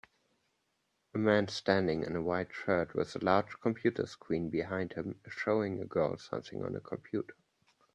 A man standing in a white shirt with a large computer screen behind him is showing a girl something on a computer